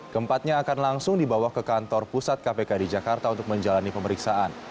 keempatnya akan langsung dibawa ke kantor pusat kpk di jakarta untuk menjalani pemeriksaan